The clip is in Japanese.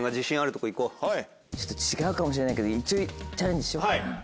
ちょっと違うかもしれないけど一応チャレンジしようかな。